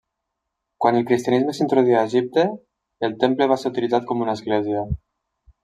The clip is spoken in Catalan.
Quan el cristianisme s'introduí a Egipte, el temple va ser utilitzat com una església.